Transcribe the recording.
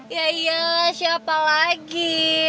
ya iyalah siapa lagi